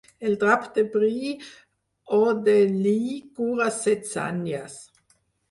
El drap de bri o de lli cura set sagnies.